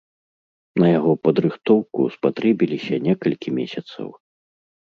На яго падрыхтоўку спатрэбіліся некалькі месяцаў.